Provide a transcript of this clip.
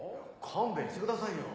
勘弁してくださいよ。